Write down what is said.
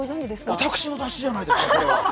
私の雑誌じゃないですか！